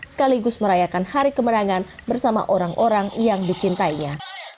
sekaligus merayakan hari kemenangan bersama orang orang yang dicintainya